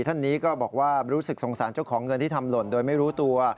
ท่านนี้ก็บอกว่ารู้สึกสงสารเจ้าของเงินที่ทำหล่นโดยไม่รู้ตัว